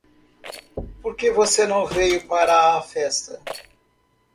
Por que você não veio para a festa?